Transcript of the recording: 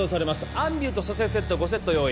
アンビューと蘇生セットを５セット用意